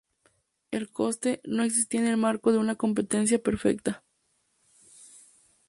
El coste no existe en el marco de una competencia perfecta.